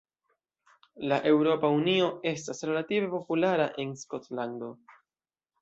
La Eŭropa Unio estas relative populara en Skotlando.